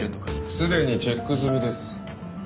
すでにチェック済みです。